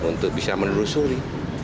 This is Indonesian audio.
untuk bisa menerusuri